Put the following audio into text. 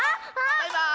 バイバーイ！